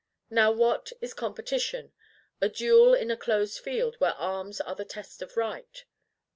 Now, what is competition? A duel in a closed field, where arms are the test of right.